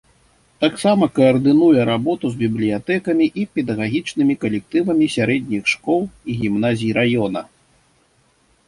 Таксама каардынуе работу з бібліятэкамі і педагагічнымі калектывамі сярэдніх школ і гімназій раёна.